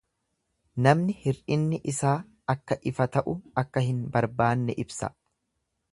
Namni hir'inni isaa akka ifa ta'u akka hin barbaanne ibsa.